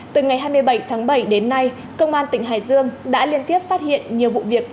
từ ngày hai mươi bảy tháng bảy đến nay công an tỉnh hải dương đã liên tiếp phát hiện nhiều vụ việc